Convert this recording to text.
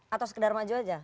atau sekedar maju saja